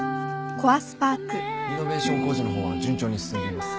リノベーション工事の方は順調に進んでいます。